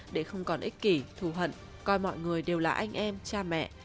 để không còn ích kỷ thù hận coi mọi người đều là anh em cha mẹ